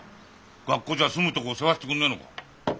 学校じゃ住むとこ世話してくんねえのか。